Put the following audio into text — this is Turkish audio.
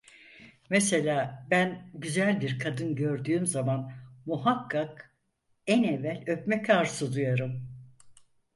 Mesela ben güzel bir kadın gördüğüm zaman muhakkak en evvel öpmek arzusu duyarım.